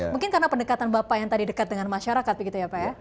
mungkin karena pendekatan bapak yang tadi dekat dengan masyarakat begitu ya pak ya